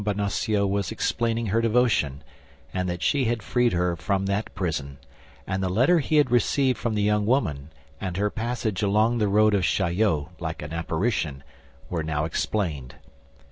Bonacieux was explaining her devotion, and that she had freed her from that prison; and the letter he had received from the young woman, and her passage along the road of Chaillot like an apparition, were now explained.